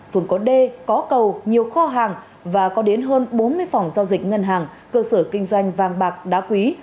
phường có d có cầu nhiều kho hàng và có đến hơn bốn mươi phòng giao dịch ngân hàng cơ sở kinh doanh vàng bạc đá quý